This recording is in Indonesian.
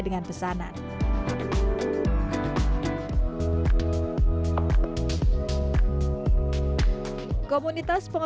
dengan pesanan umumnya